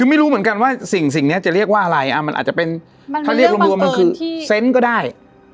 ยังไม่รู้เหมือนกันว่าสิ่งนี้จะเรียกว่าอะไรมันอาจจะเป็นเซนต์ก็ได้